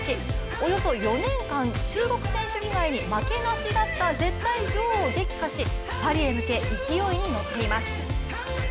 およそ４年間中国選手以外に負けなしだった絶対女王を撃破し、パリへ向け勢いに乗っています。